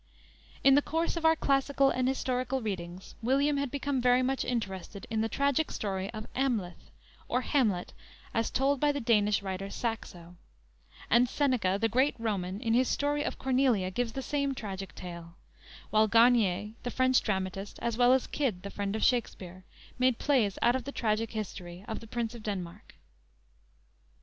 In the course of our classical and historical readings, William had become very much interested in the tragic story of Amleth or Hamlet as told by the Danish writer, Saxo and Seneca, the great Roman, in his story of Cornelia gives the same tragic tale, while Garnier, the French dramatist, as well as Kyd, the friend of Shakspere, made plays out of the tragic history of the Prince of Denmark.